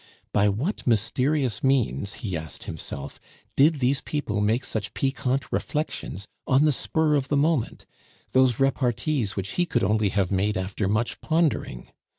By what mysterious means, he asked himself, did these people make such piquant reflections on the spur of the moment, those repartees which he could only have made after much pondering?